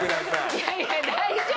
いやいや大丈夫。